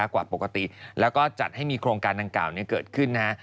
กว่าปกติและก็จัดให้มีโครงการดังกล่าวเกิดขึ้น